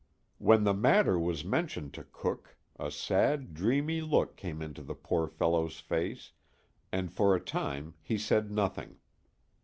When the matter was mentioned to Cooke, a sad, dreamy look came into the poor fellow's face, and for a time he said nothing.